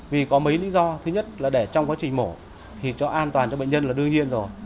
vì có mấy lý do thứ nhất là để trong quá trình mổ thì cho an toàn cho bệnh nhân là đương nhiên rồi